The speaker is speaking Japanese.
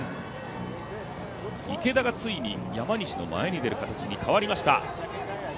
池田がついに山西の前に出る形に変わりました。